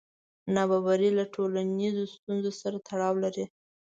نابرابري له ټولنیزو ستونزو سره تړاو لري.